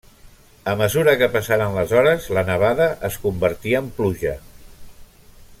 A mesura que passaren les hores, la nevada es convertí en pluja.